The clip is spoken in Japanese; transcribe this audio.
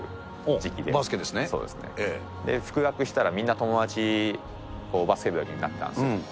復学したらみんな友達、バスケ部になってたんです。